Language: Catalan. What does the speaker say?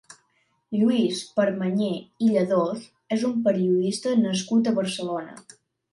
Lluís Permanyer i Lladós és un periodista nascut a Barcelona.